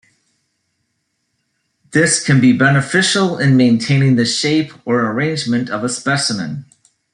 This can be beneficial in maintaining the shape or arrangement of a specimen.